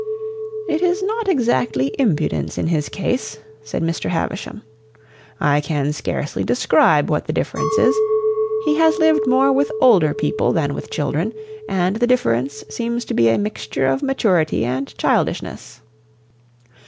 "It is not exactly impudence in his case," said Mr. Havisham. "I can scarcely describe what the difference is. He has lived more with older people than with children, and the difference seems to be a mixture of maturity and childishness."